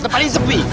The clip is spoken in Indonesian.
tepat ini sepi